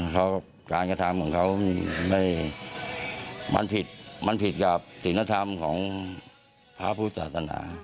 เขาการกระทำของเขามันผิดมันผิดกับศิลธรรมของพระพุทธศาสนา